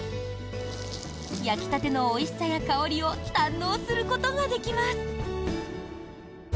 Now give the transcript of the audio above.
焼きたてのおいしさや香りを堪能することができます。